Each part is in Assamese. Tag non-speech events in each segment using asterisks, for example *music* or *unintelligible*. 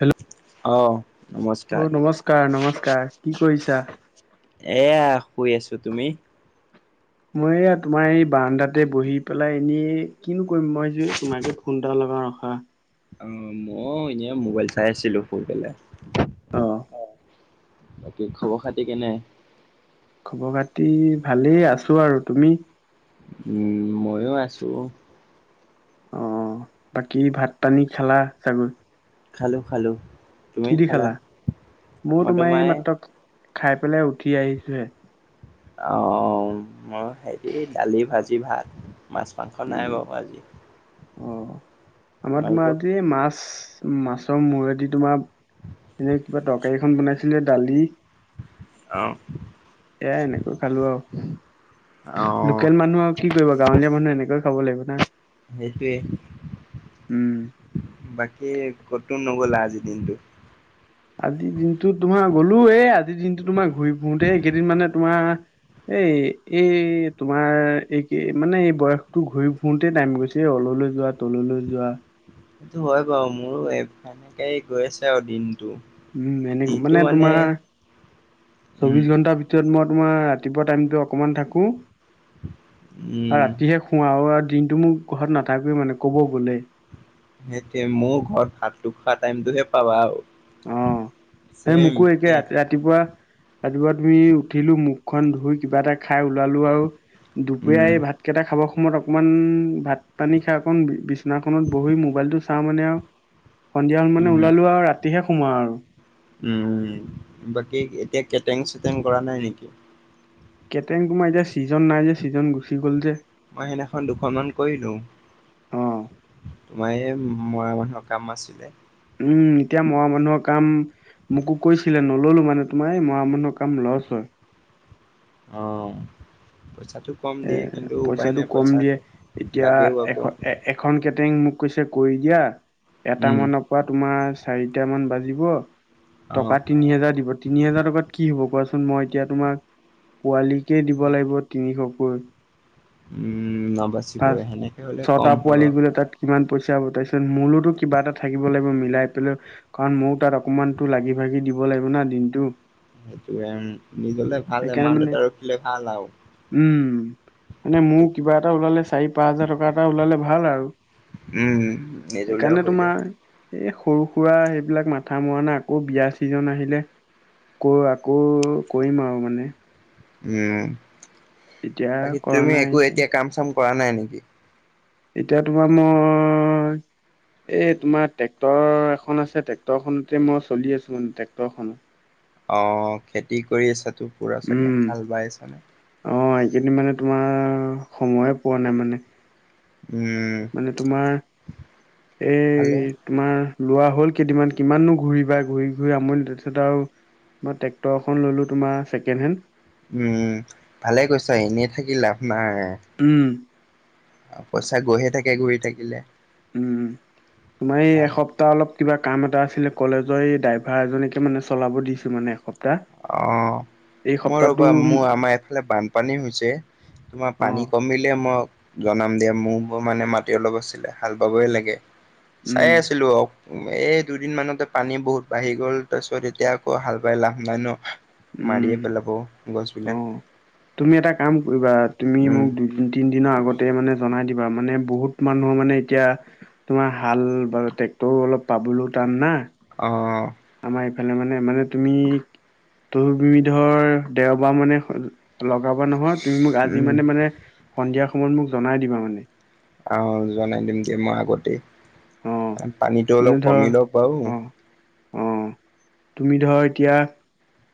হেল্ল' আহ। অ নমস্কাৰ নমস্কাৰ কি কৰিছা এয়া শুই আছো তুমি মই এয়া তোমাৰ এই বাৰন্ধাতে বহি পেলাই এনেই কিনো কৰিম মই তোমাকে ফোন এটা ল ৰখা অ মই এনেই মোবাইল চাই আছিলো শুই পেলাই অ বাকী খবৰ খাতি কেনে খবৰ খাতি ভালেই আছো আৰু তুমি উম ময়ো আছো অ বাকী ভাত পানী খালা চাগৈ খালো খালো কি দি খালা মোৰ তোমাৰ এই মাত্ৰ খাই পেলাই উঠি আহিছোহে অ মই হেৰি দালি ভাজি ভাত মাছ মাংস নাই উম বাৰু আজি অ আমাৰ তোমাৰ তোমালোকক আজি মাছ মাছৰ মূৰেদি তোমাৰ এনে কিবা তৰকাৰীখন বনাইছিলে দালি অঁ সেয়াই এনেকৈ খালো আৰু অ লোকেল মানুহ আৰু কি কৰিব গাঁৱলীয়া মানুহে এনেকৈ খাব লাগিব না সেইটোৱে সেই উম আজি কটো নগ'লা আজি দিনটো আজি দিনটো তোমাৰ গলো এ আজিৰ দিনটো তোমাৰ ঘূৰি ফুুৰোতে এই কেইদিন মানে তোমাৰ এ এই তোমাৰ এই কি মানে এই বয়সতটো ঘূৰি ঘুৰতে টাইম গৈছিল এ অললৈ যোৱা তললৈ যোৱা সেইটো হয় বাৰু মোৰো এ সনেক গৈ আছে আৰু দিন উম এনেক মানে তোমাৰ উম চৌবিশ ঘন্টাৰ ভিতৰত মই তোমাৰ ৰাতিপুৱা টাইমতো অকমান থাকো আৰু উম ৰাতিহে খুৱ আৰু দিনটো মোৰ ঘৰত নাথাকোৱে মানে ক'ব গ'লে সেইটোয়ে মোৰ ঘৰত ভাতটো খোৱা টাইমতটোহে পাবা আৰু অ সেই মোকো একে ৰাতিপুৱা ৰাতিপুৱা তুমি উঠিলো মুখখন ধুই কিবা এটা খাই ওলালো আৰু দুপৰীয়া উম এই ভাতকেইটা খাব অকমান ভাত পানী খা অকণ বিছনাখনত বহি মোবাইলটো চাওঁ মানে আৰু সন্ধিয়া হল মানে উম ওলালো আৰু ৰাতিহে সোমোৱা আৰু উম বাকী এতিয়া কেটেং চেটেং কৰা নাই নেকি কেটেং তোমাৰ এতিয়া ছিজন নাই যে ছিজন গুচি গ'ল যে মই সেইদিনাখন দুখনমান কৰিলো অ', মানে মৰা মানুহৰ কাম আছিলে উম এতিয়া মৰা মানুহৰ কাম মোকো কৰিছিলে নো নল'লো মানে তোমাৰ এই মৰা মানুহৰ কাম লছ হয় অ পইচা কম এ দিয়ে কিন্তু উপায় পইচাটো নাই কম দিয়ে এতিয়া লাগেও এ আকৌ এ এখন কেটেং মোক কৈছে কৰি দিয়া এটা উম মানৰ পৰা তোমাৰ চাৰিটা মান বাজিব অ টকা তিনি হাজাৰ দিব তিনি হাজাৰ টকাত কি হ'ব কোৱাচোন মই এতিয়া তোমাৰ পোৱালীক কেই দিব লাগিব তিনিশকৈ উম পাঁচ নবাচিবই সেনেকে হলে ছটা কম হয় পোৱালি বাৰু গোলে তাত কিমান পইচা গোতাইছে মোলেতো কিবা এটা থাকিব লাগিব মিলাই কাৰণ মৌ তাত অকমান মানে সেইটোএ উ'ম মানে মোৰ কিবা এটা ওলালে চাৰি, পাঁচ হাজাৰ টকা এটা ওলালে ভাল আৰু উ'ম, সেইকাৰণে নিজৰলেওঁ হৈ যায়। তোমাৰ এই সৰু সুৰা সেইবিলাক মাথা মৰা নাই আকৌ বিয়া চিজন আহিলে। ক আকৌ কৰিম আৰু মানে। উ'ম, এতিয়া বাকী কৰা তুমি নাই একো এতিয়া কাম চাম কৰা নাই নেকি? এতিয়া তোমাৰ মই এই তোমাৰ ট্ৰেক্টৰ এখন আছে। ট্ৰেক্টৰখনতে মই চলি আছো মানে ট্ৰেক্টৰখন। অ খেতি কৰি আছে উ'ম, অ', এইকেইদিন মানে তোমাৰ অ', সময়ে পোৱা নাই মানে। উম, মানে তোমাৰ ভালে এই তোমাৰ লোৱা হ'ল, কেইদিনমান কিমাননো ঘূৰিবা ঘূৰি ঘূৰি আমনি তাৰপিছত আৰু মই ট্ৰেক্টৰ এখন ললো তোমাৰ ছেকেণ্ড হেণ্ড। উ'ম, ভালে কৰিছা, এনেই থাকি লাভ নাই। উ'ম। পইচা গৈহে থাকে ঘূৰি থাকিলে। উ'ম, তোমাৰ এই ভাল এসপ্তাহ অলপ কিবা কাম এটা আছিলে? কলেজৰ এই ড্ৰাইভাৰ এজনীকে মানে চলাব দিছোঁ মানে এখন। অ মই ৰ'বা মোৰ আমাৰ এফালে বানপানী হৈছে। তোমাৰ অ পানী কমিলে মই জনাম দিয়া। মোৰ বাৰু মানে মাটি অলপ আছিলে হাল বাবই লাগে চাই উম আছিলো অ'উ। উ'ম, এই দুদিন মানতে পানী বহুত বাঢ়ি গ'ল। তাৰপিছত এতিয়া আকৌ হাল বাই লাভ নাই ন। মাৰিয়ে উ'ম, পেলাব গছবিলাক অ', তুমি এটা কাম কৰিবা। তুমি উম। মোক দুই, তিন দিনৰ আগতে মানে জন বনাই দিবা, মানে বহুত মানুহৰ মানে এতিয়া তোমাৰ হাল বা ট্ৰেক্টৰও অলপ পাবলৈও টান না। অ', আমাৰ এইফালে মানে, মানে তুমি ত বিবিধৰ দেওবাৰ মানে লগ হব নহয়, তুমি মোক আজি উম, মানে মানে সন্ধিয়া সময়ত মোক জনাই দিবা মানে। অ'হ জনাই দিম দিয়া মই আগতেই। অ পানীতটো মানে অলপ ধৰ কমি লোক বাৰু। অ অ', তুমি ধৰ এতিয়া।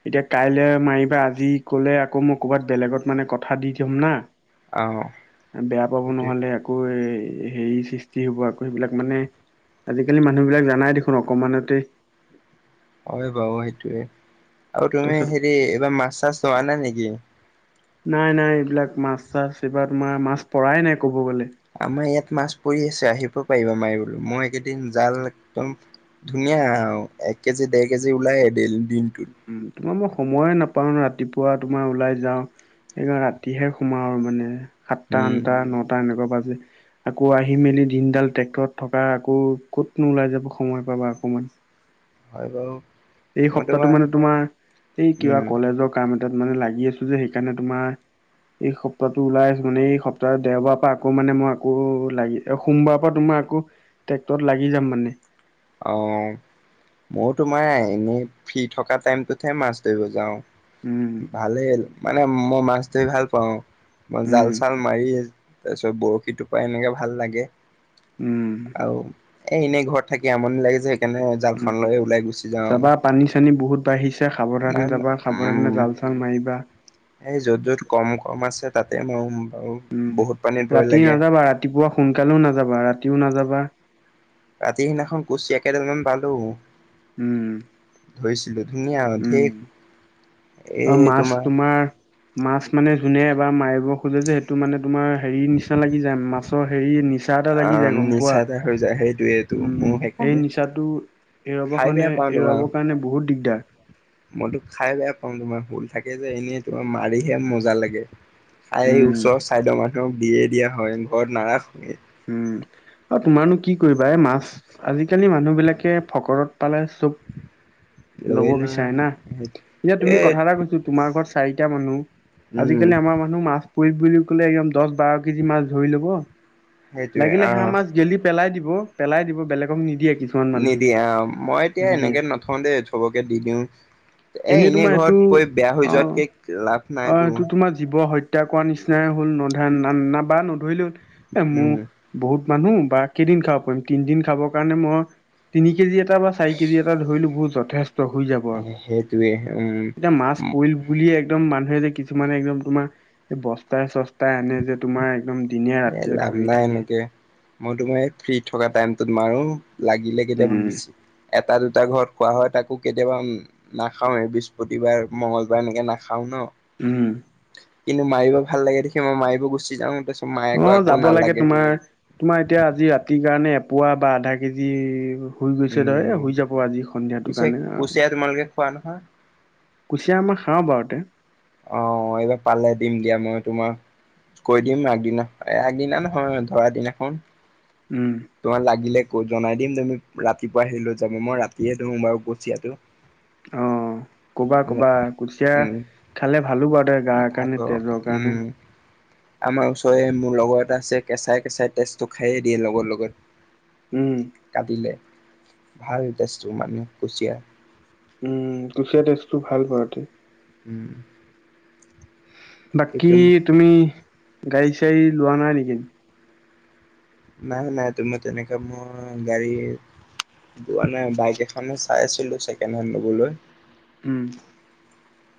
এতিয়া কাইলৈ মাৰিবা আজি কলে আকৌ মই ক'ৰবাত বেলেগত মানে কথা দি থম না। অ', বেয়া পাব সেইটোৱে নহলে, আকৌ এ! হেৰি সৃষ্টি হ'ব, আকৌ সেইবিলাক মানে আজিকালি মানুহ বিলাক জানাই দেখোন, অকমানতে হয় বাৰু, সেইটোয়ে আৰু তুমি তাৰপিছত হেৰি এইবাৰ মাছ চাছ ধৰা নাই নেকি? নাই, নাই, এইবিলাক মাছ চাছ এইবাৰ তোমাৰ মাছ পৰাই নাই কব গ'লে। আমাৰ ইয়াত মাছ পৰি আছে, আহিব পাৰিবা মাৰিবলৈ, মই এইকেইদিন জাল একদম ধুনীয়া এক কেজি, দেৰ কেজি ওলাই দিন। উ'ম তোমাৰ মই সময়ে নাপাওঁ, ৰাতিপুৱা তোমাৰ ওলাই যাওঁ। এনেও ৰাতিহে সোমাও আৰু মানে সাতটা, উম, আঠটা, নটা এনেকুৱা। আকৌ আহি মেলি দিনডাল ট্ৰেক্টৰত থকা আকৌ ক'তনো ওলাই যাব সময় পাবা আকমান। *unintelligible* হয় বাৰু। এই সপ্তাহটো মানে তোমাৰ এই কিবা উম, কলেজৰ কাম তাত মানে লাগি আছো যে সেইকাৰণে তোমাৰ এই সপ্তাহটো ওলাই আছো, মানে এই সপ্তাহ দেওবাৰ পৰা আকৌ মানে মই আকৌ লাগি সোমবাৰৰ পৰা তোমাৰ। আকৌ ট্ৰেক্টৰত লাগি যাম মানে। অ', মইো তোমাৰ এনেই ফ্ৰী থকা টাইমটোতহে মাছ ধৰিব যাওঁ। উম ভালেই মানে মই মাছ ধৰি ভাল পাওঁ মই জাল উম চাল মাৰি। তাৰ পিছত বৰশী টোপ এনেকে ভাল লাগে উম আৰু এনেই ঘৰত। থাকি আমনি লাগিছে। উম চাবা পানী চানী বহুত বাঢ়িছে সাৱধানে নাই যাবা সাৱধানে উম জাল চ ল মাইবা। এই য'ত য'ত কম কম আছে তাতে মাৰো। বাৰু উম বহুত পানীত ভয় ৰাতি লাগে নাযাবা ৰাতিপুৱা সোনকালেও নাযাবা ৰাতিও নাযাবা। ৰাতি সিদিনাখন কুচিয়া কেইডালমান পালো। উম। ধৰিছিলো। ধুনীয়া উম ধেৰ অ মাছ তোমাৰ মাছ মানে যোনে এ বাাৰ মাৰিব খোজে যে সেইটো মানে তোমাৰ হেৰি নিচিনা লাগি যায় মাছৰ হেৰি নি নিচা এটা লাগি আহ যায় গম নিচা পোৱা, এটা হৈ যায় সেইটোয়েটো উম মোৰ এই সেইকাৰণে নিচাটো এই এৰোৱাব খাই কাৰণে বেয়া পাওঁ তোমাৰ এৰোৱাবৰ কাৰণে বহুত দিগদাৰ। মইতো খাই বেয়া পাওঁ তোমাৰ হুল থাকে যে এনেই তোমাৰ মাৰিহে মজা লাগে। আই উম ওচৰৰ চাইদৰ মানুহক দিয়ে দিয়া হয় ঘৰত নাৰাখোয়ে। উম। আৰু তোমাৰো কি কৰিবা এই মাছ আজিকালি মানুহ বিলাকে ফকৰত পালে চব লব লৈ লয় বিচাৰে না। এতিয়া তুমি এ কথা এটা কৈছো তোমাৰ ঘৰত চাৰিটা মানুহ উম আজিকালি আমাৰ মানুহ মাছ পত বুলি কলে একদম দহ বাৰ কেজি মাছ ধৰি লব সেইটোৱে লাগিলে সে আহ মাছ গেলি পেলাই দিব। পেলাই দিব বেলেগক নিদিয়ে। কিছুমান মানুহে নিদিয়া মই এতিয়া নিদিয়ে এনেকে নথওঁ দে। চবকে দি দিও এ এনেই তোমাৰ এইটো ঘৰতৈ বেয়া হৈ অ যোৱাতকে লাভ অ নাইতো সেইটো তোমাৰ জীৱ হত্যা কৰ নিচিনাই হল নধ না না বা নধৰিলেও এ মোৰ উম বহুত মানুহ বা কেইদিন খাব পাৰিম তিন দিন খাবৰ কাৰণে মই তিনি কেজি এটা বা চাৰি কেজি এটা ধৰিলো বহুত যথেষ্ট হৈ যাব আৰু সেইটোৱে উম এতিয়া মাছ পৰিল বুলিয়ে একদম মানুহে যে কিছুমানে একদম তোমাৰ বস্তাই চস্তাই আনে যে তোমাৰ একদম দিনে এ ৰাতিয়ে লাভ ধৰি নাই থাকে এনেকে মই তোমাৰ এই ফ্ৰী থকা টাইমটোত মাৰো। লাগিলে কেতিয়া উম বৃছ এটা দুটা ঘৰত খোৱা হয় তাকো কেতিয়াবা নাখাওৱে বৃহস্পতিবাৰ মংগলবাৰ এনেকে নাখাও ন। উম। কিন্তু মাৰিব ভাল লাগে দেখি মই মিব গুচি যাওঁ। মায়ে আকৌ অ আকৌ যাব লাগে নালাগে তোমাৰ তোমাৰ এতিয়া আজি ৰাতি সেইকাৰণে এপোৱা বা আধা কেজি হৈ গৈছে ধৰ উম হৈ যাব আজি সন্ধিয়াটোৰ পিছে কাৰণে অ কুচিয়া তোমালোকে খোৱা নহয় কুচিয়া আমাৰ খাওঁ বাৰুতে। অ এইবাৰ পালে দিম দিয়া মই তোমাৰ কৈ দিম আগদিনা আগদিনা নহয় ধৰা দিনাখন। উম তোমাৰ লাগিলে ক জনাই দিম তুমি ৰাতিপুৱা আহি লৈ যাবা মই ৰাতিয়ে ধৰো বাৰু কচিয়াতটো। অ কবা কবা কুচিয়া উম খালে ভালো বাৰু তই গাৰ ভাল কাৰণে পাব তেজৰ উম কাৰণে। আমাৰ ওচৰৰে মোৰ লগৰ এটা আছে কেঁচাই কেঁচাই তেজটো খায়ে দিয়ে লগৰ লগত। উম কাটিলে ভাল তেজটো মানুহ কুচিয়া। উম কুচিয়া তেজটো ভাল কৰাটো। উম। বাকী কিন্তু তুমি গাড়ী চাড়ী লোৱা নাই নেকি? নাই নাই তোমাৰ তেনেকা মোৰ গাড়ী লোৱা নাই বাইক এখো চাই আছিলো ছেকেণ্ড হেণ্ড লবলৈ। উম।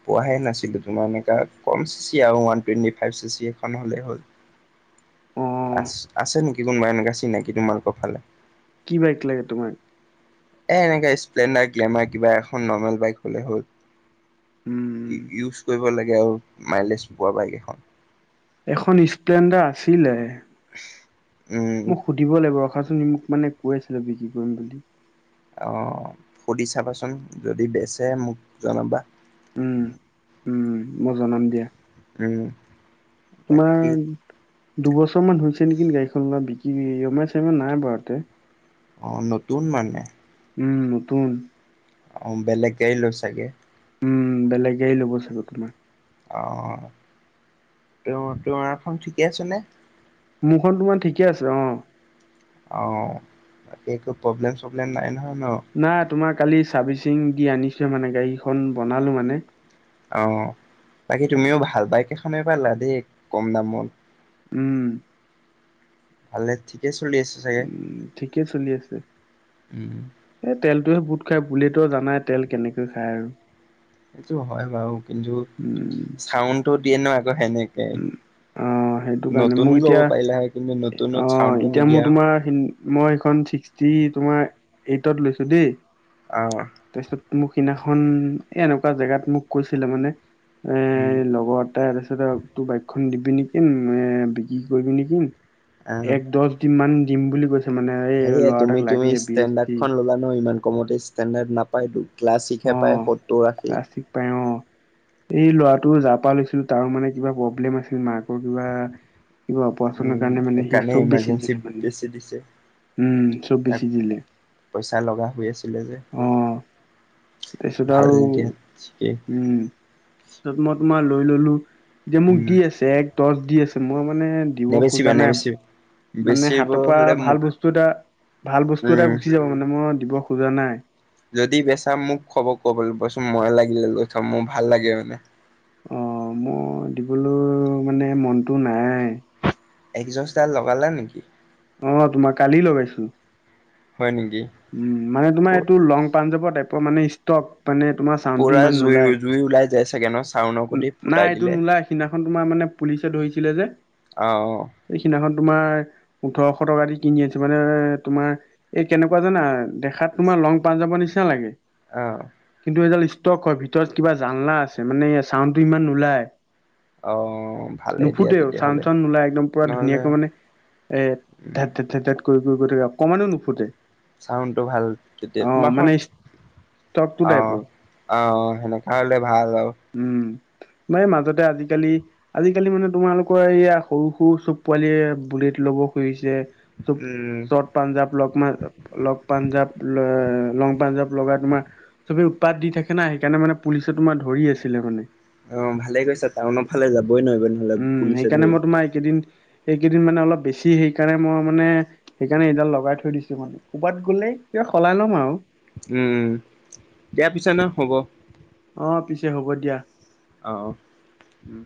পোৱাহে নাছিলোঁ। তোমাৰ এনেকুৱা, কম চি চি আৰু one twenty five C C এখন হ'লেই হ'ল। অ আ, আছে নেকি কোনোবা এনেকুৱা চিনাকি তোমালোকৰ ফালে? কি বাইক লাগে তোমাক? এ, এনেকা স্প্লেণ্ডাৰ, গ্লেমাৰ, কিবা এখন নৰ্মেল বাইক হ'লে উম হ'ল। ইউজ কৰিব লাগে আৰু মাইলেজ পোৱা বাইক এখন। এখন স্প্লেণ্ডাৰ আছিলে। উম মোক সুধিব লাগিব ৰখাচোন, মোক মানে, কৈছিলে বিক্ৰী কৰিম বুলি। অ'! সুধি চাবাচোন! যদি বেচে মোক জনাবা। উম, উম, মই জনাম দিয়া। উম, বাকী দুবছৰমান হৈছে নেকি গাড়ীখন লোৱা। বিক্ৰী *unintelligible* নাই বাৰু ইয়াতে। অ'! নতুন মানে। উম, নতুন। অ'! বেলেগ গাড়ী লৈ চাগে? উম, বেলেগে গাড়ী ল'ব চাগে তোমাৰ। অ'! তেওঁ, তোমাৰখন ঠিকে আছেনে? মোৰখন তোমাৰ ঠিকে আছে। অ'! অ'! একো প্ৰব্লেম চব্লেম নাই? নহয় ন? নাই। তোমাৰ কালি, চাৰ্ভিচিং দি আনিছোহে মানে। গাড়ীখন বনালো মানে। অ'! বাকী তুমিও ভাল বাইক এখনে পালা দেই! কম দামত। উম! ভালে, ঠিক। উম, ঠিকেই চলি আছে। উম, তেলটোৱে বহুত খায়। বুলেটৰ জানাই, তেল কেনেকৈ খায় আৰু। সেইটো হয় বাৰু। কিন্তু, উম। চাউণ্ডটো দিয়ে ন' আকৌ সেনেকে। উম, অ'! সেইটো কাৰণে। মোৰ নতুনো ল'ব এতিয়া, পাৰিলা হয় কিন্তু নতুনত অ'! চাউণ্ডটো এতিয়া মোৰ নিদিয়া, তোমাৰ মই এইখন ছিক্সটি তোমাৰ এইটত লৈছোঁ দেই। অ'! মোৰ সিনাখন এ, এনেকুৱা জেগাত মোক কৈছিলে মানে এ, উম। লগৰ এটাই, তাৰপিছত আৰু এইখন দিবি নেকি? এ, বিক্ৰী কৰিবি নেকি? অ', এক, দহ, দিন মান দিম বুলি কৈছে। মানে এই সেয়ে, ল'ৰা এটাক তুমি লাগে তুমি বি এছ টি ষ্টেণ্ডাৰ্ডখন ল'লা নহয় ইমান কমতে! ষ্টেণ্ডাৰ্ড নাপাইতো। ক্লাছ ছিকসে পায় অ'। সত্তৰ, আশি। প্লাষ্টিক পাই অ'। এই ল'ৰাটো, যাৰ পৰা লৈছিলোঁ। তাৰ মানে, কিবা প্ৰব্লেম আছিল। মাকৰ কিবা কিবা অপাৰেচনৰ উম, কাৰণে মানে, সি সেইকাৰণে চব বেছি ইমাৰ্জেঞ্চি দিলে মানে। বেছি দিছে, উম, চব তাক বছি দিলে। পইচা লগা হৈ আছিলে যে। অ'! তাৰপিছত ভাল আৰু দিয়া ঠিকেই উম! তাৰপিছত মই তোমাৰ লৈ ললোঁ। যে, মোক উম দি আছে, এক, দহ দি আছে। মই মা মানে, দিব নেবেচিবা খোজা নাই। নেবেচিবা মানে, হাতৰ পৰা বেচিবলে মোক ভাল বস্তু এটা, ভাল বস্তু এটা উম গুচি যাব মানে। মই দিব খোজা নাই। যদি বেচা, মোক ক'ব, ক'বলে কৈছোঁ, মই লাগিলে লৈ থম। মোৰ ভাল লাগে মানে। অ'! মই দিবলৈ মানে, মনটো নাই। একজস্টডাল লগালা নেকি? অ'! তোমাৰ কালি লগাইছোঁ। হয় নেকি? উম! মানে, তোমাৰ এইটো লং পাঞ্জাৱত, টাইপৰ মানে ষ্টক। মানে, তোমাৰ চাউণ্ডটো পুৰা ইমান জুই নোলায়। জুই ওলাই যায় চাগে ন চাউনৰ গুটি নাই ফুটাই এইটো, দিলে নোলাই। সিদিনাখন তোমাৰ মানে, পুলিচে ধৰিছিলে যে। অ'! অ'! এই সিদিনাখন তোমাৰ ওঠৰশ টকা দি কিনি আছে মানে তোমাৰ এই কেনেকুৱা জানা দেখাত তোমাৰ লং পা যাব নিচিনা লাগে আহ এডাল ষ্টক হয় ভিতৰত কিবা জাননাা আছে মানে চাউণ্ডটো ইমান নওলাই অ ভালেই দিয়া নুফুতেও চাান তেতিয়াহ'লে চান নোলাই একদম পুৰা নহ'লে ধুনীয়াকৈ মানে এ ধে উম ধ ধে ধে কৰি কৰি কৰি থাক অকমানো নুফুটে চাউণ্ডটো ভাল তেতিয়া অ তোমাৰ মানে হয় ষ্টকটো টাইপৰ আহ আহ সেনেকাা হলে ভাল আৰু ম মাজতে আজিকালি আজিকালি মানে তোমালোকৰ এইয়া সৰু সৰু চব পোৱালিয় বুল খ উম পঞ পাঞ্ এ লং পাঞ্জাৰ লগাই তোমাৰ চবে উৎপাত দি থাকে না সেইকাৰণে মানে পুলিচে তোমাৰ ধৰি আছিলে মানে অ ভালে গৈছা টাউনৰ ফালে যাব উম সেইকাৰণে মই তোমাৰ এইকেইদিন এইকেইদিন মানে অলপ বেছি সেইকাৰণে মই মানে সেইকাৰণে এইডাল লগাই থৈ দিছো মানে ক'ৰবাত গ'লে এতিয়া সলাই লম আৰু উম দিয়া পিছে ন হ'ব অ অ পিছে হ'ব দিয়া আহ উম